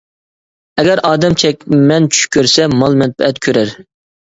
ئەگەر ئادەم چەكمەن چۈش كۆرسە، مال-مەنپەئەت كۆرەر.